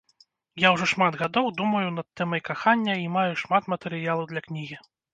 Я ўжо шмат гадоў думаю над тэмай кахання і маю шмат матэрыялу для кнігі.